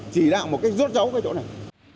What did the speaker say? chỉ là một cái rốt rấu cái chỗ này